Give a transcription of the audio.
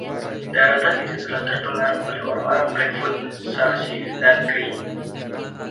Daratan itu telah terpengaruh oleh orang-orang Blackfoot, Sarcee dan Cree.